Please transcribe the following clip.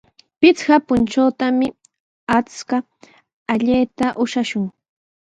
Pichqa puntrawtami akshu allayta ushashun.